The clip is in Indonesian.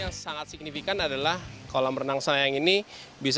yang sangat signifikan adalah kolam renang senayan ini